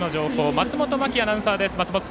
松本真季アナウンサーです。